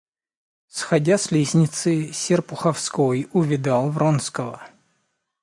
Сходя с лестницы, Серпуховской увидал Вронского.